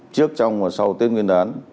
trước trong và sau tết nguyên đán